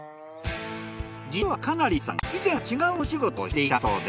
実は金成さん以前は違うお仕事をしていたそうで。